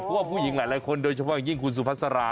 เพราะว่าผู้หญิงหลายคนโดยเฉพาะอย่างยิ่งคุณสุภาษา